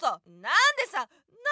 なんでさ！